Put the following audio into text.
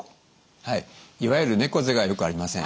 はいいわゆる猫背がよくありません。